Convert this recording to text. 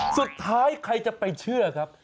สุดท้ายใครจะไปเชื่อครับ